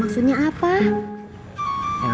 terima kasih bang